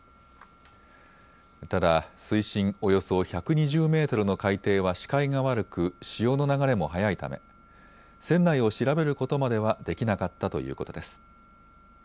ただ水深およそ１２０メートルの海底は視界が悪く潮の流れも速いため船内を調べることまではできなかったということです。